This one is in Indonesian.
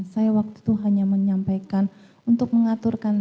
saya waktu itu hanya menyampaikan untuk mengaturkan